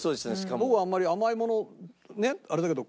僕はあまり甘いものあれだけど。